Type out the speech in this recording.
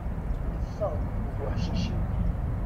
Iffeɣ-d ubuḥcic-iw.